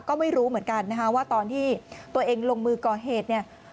ก็ไม่รู้เหมือนกันนะคะว่าตอนที่ตัวเองลงมือก่อเหตุเนี่ย